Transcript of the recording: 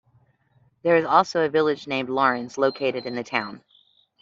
There is also a village named Laurens, located in the town.